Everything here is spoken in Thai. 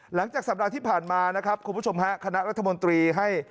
หลังจากสัปดาห์ที่ผ่านมานะครับคุณผู้ชมฮะคณะรัฐมนตรีให้